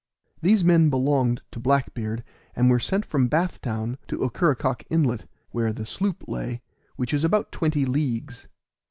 These men belonged to Black beard, and were sent from Bath Town to Okerecock inlet, where the sloop lay, which is about twenty leagues.